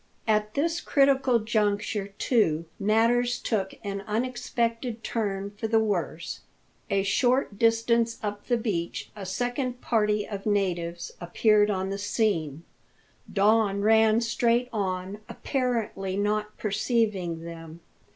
At this critical juncture, too, matters took an unexpected turn for the worse. A short distance up the beach a second party of natives appeared on the scene. Don ran straight on, apparently not perceiving them.